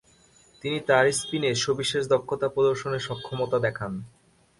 তিনি তার স্পিনে সবিশেষ দক্ষতা প্রদর্শনে সক্ষমতা দেখান।